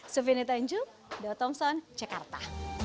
supriya netanju dawa thompson cekarta